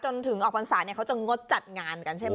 จนถึงออกภันษาเราก็จะงดจัดงาน